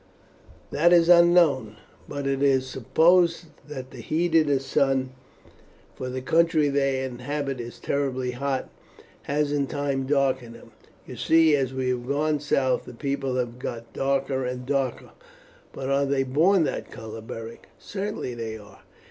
"That is unknown; but it is supposed that the heat of the sun, for the country they inhabit is terribly hot, has in time darkened them. You see, as we have gone south, the people have got darker and darker." "But are they born that colour, Beric?" "Certainly they are."